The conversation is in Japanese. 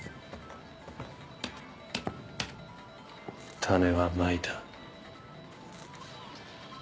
種はまいた。